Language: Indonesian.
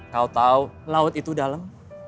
kau tahu laut itu dalam